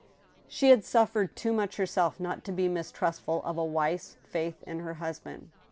She had suffered too much herself not to be mistrustful of a wife's faith in her husband.